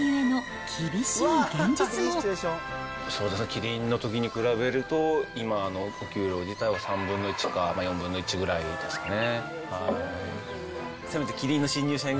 キリンのときに比べると、今のお給料自体は３分の１か４分の１ぐらいですかね。